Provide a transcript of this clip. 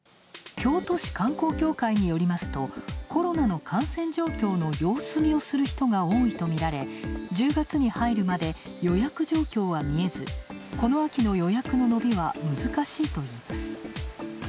京都市観光協会によりますとコロナの感染状況の様子見をする人が多いとみられ１０月に入るまで予約状況は見えず、この秋の予約の伸びは難しいといいます。